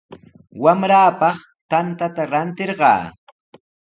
Wamraapaq tantata rantishqaa.